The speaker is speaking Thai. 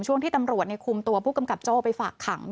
ช่วงที่ตำรวจคุมตัวผู้กำกับโจ้ไปฝากขัง